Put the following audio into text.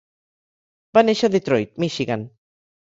Va néixer a Detroit, Michigan.